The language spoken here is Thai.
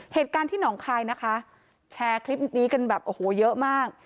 เหตุการณ์ที่หนองคายนะคะแชร์คลิปนี้กันแบบโอ้โหเยอะมาก